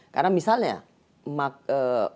karena misalnya makan siang gratis